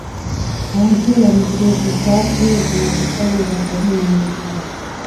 خاونده ټوله مې ترې ځار کړې زما په سر يې غرغرې منلي دينه